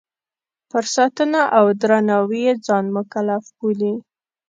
پر ساتنه او درناوي یې ځان مکلف بولي.